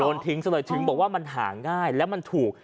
โยนทิ้งเสร็จเลยถึงบอกว่ามันหาง่ายและมันถูก